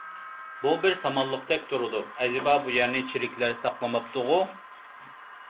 بۇ بىر سامانلىقتەك تۇرىدۇ، ئەجەبا بۇ يەرنى چېرىكلەر ساقلىماپتۇغۇ؟